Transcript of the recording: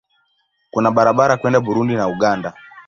Kuna barabara kwenda Burundi na Uganda.